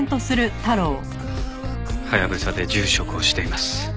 ハヤブサで住職をしています。